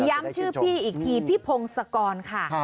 ย้ำชื่อพี่อีกทีพี่พงศกรค่ะ